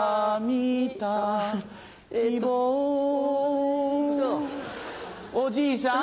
希望おじいさん？